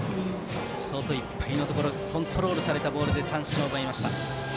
外いっぱいのところコントロールされたボールで三振をとりました。